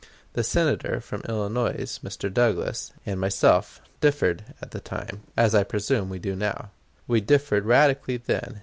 The Senator from Illinois [Mr. Douglas] and myself differed at that time, as I presume we do now. We differed radically then.